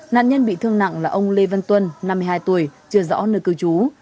nạn nhân bị thương nặng là ông lê văn tuân năm mươi hai tuổi chưa rõ nơi cư trú